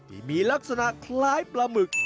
ที่มีลักษณะคล้ายปลาหมึก